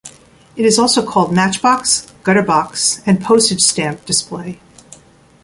It is also called "matchbox", "gutterbox", and "postage stamp" display.